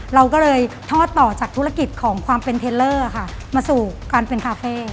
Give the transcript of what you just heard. เราก็เลยทอดต่อจากธุรกิจของความเป็นเทลเลอร์ค่ะมาสู่การเป็นคาเฟ่